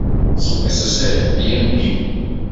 So ɛsɛ sɛ meyɛ no bio?